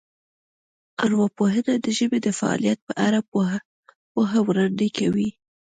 ارواپوهنه د ژبې د فعالیت په اړه پوهه وړاندې کوي